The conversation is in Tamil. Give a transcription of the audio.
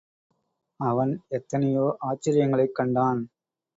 அவன் எத்தனையோ ஆச்சரியங்களைக் கண்டான்.